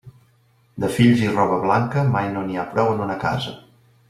De fills i roba blanca, mai no n'hi ha prou en una casa.